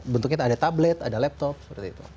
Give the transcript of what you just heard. bentuknya ada tablet ada laptop seperti itu